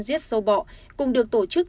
giết sâu bọ cũng được tổ chức